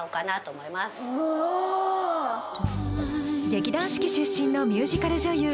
劇団四季出身のミュージカル女優